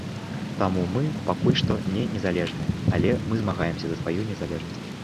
Таму мы пакуль што не незалежныя, але мы змагаемся за сваю незалежнасць.